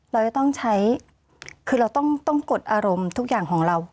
เราจะต้องใช้คือเราต้องกดอารมณ์ทุกอย่างของเรา